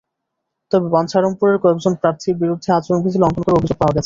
তবে বাঞ্ছারামপুরের কয়েকজন প্রার্থীর বিরুদ্ধে আচরণবিধি লঙ্ঘন করার অভিযোগ পাওয়া গেছে।